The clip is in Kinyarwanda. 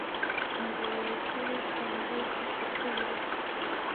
Umugabo wicaye yambaye T-shati yubururu